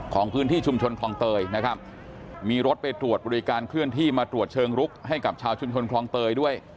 ของพื้นที่ชุมชนคลองเตยนะครับมีรถไปตรวจบริการเคลื่อนที่มาตรวจเชิงลุกให้กับชาวชุมชนคลองเตยด้วย